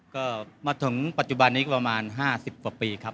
ก็มาถึงปัจจุบันนี้ก็ประมาณ๕๐กว่าปีครับ